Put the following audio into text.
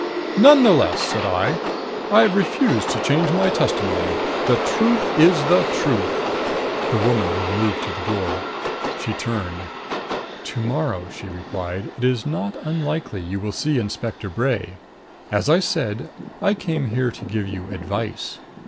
"None the less," said I, "I refuse to change my testimony. The truth is the truth " The woman had moved to the door. She turned. "To morrow," she replied, "it is not unlikely you will see Inspector Bray. As I said, I came here to give you advice.